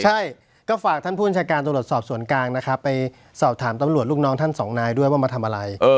ใช่ก็ฝากท่านผู้บัญชาการตำรวจสอบสวนกลางนะครับไปสอบถามตำรวจลูกน้องทั้งสองนายด้วยว่ามาทำอะไร